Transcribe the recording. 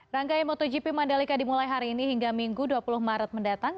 rangkaian motogp mandalika dimulai hari ini hingga minggu dua puluh maret mendatang